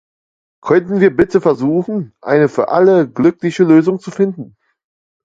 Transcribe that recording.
Könnten wir bitte versuchen, eine für alle glückliche Lösung zu finden?